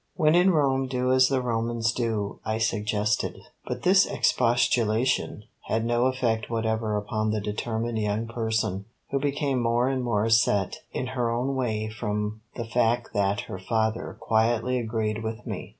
"'When in Rome do as the Romans do,'" I suggested; but this expostulation had no effect whatever upon the determined young person, who became more and more set in her own way from the fact that her father quietly agreed with me.